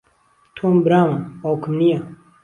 تۆم برامە، باوکم نییە.